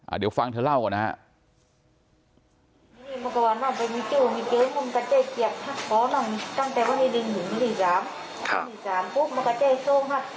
เดี๋ยวฟังเธอเล่ากันนะฮะ